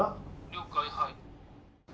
了解はい。